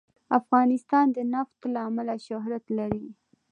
افغانستان د نفت له امله شهرت لري.